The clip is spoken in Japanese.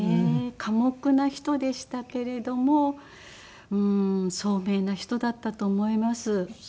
寡黙な人でしたけれども聡明な人だったと思います。